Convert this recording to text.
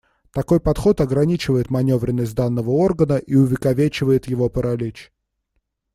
Такой подход ограничивает манёвренность данного органа и увековечивает его паралич.